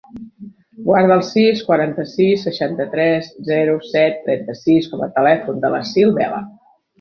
Guarda el sis, quaranta-sis, seixanta-tres, zero, set, trenta-sis com a telèfon de l'Assil Vela.